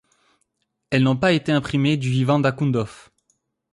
Elles n'ont pas été imprimées du vivant d'Akhundov.